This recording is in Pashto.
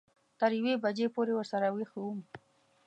تر یوې بجې پورې ورسره وېښ وم.